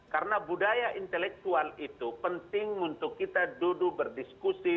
karena budaya inteleksual itu penting untuk kita duduk berdiskusi